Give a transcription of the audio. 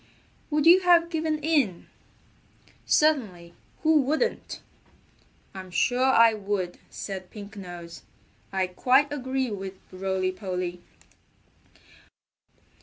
"Would you have given in?" "Certainly! Who wouldn't?" "I'm sure I would," said Pink Nose. "I quite agree with Rolly Polly."